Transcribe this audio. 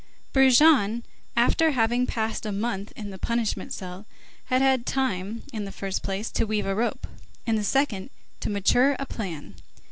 Brujon, after having passed a month in the punishment cell, had had time, in the first place, to weave a rope, in the second, to mature a plan.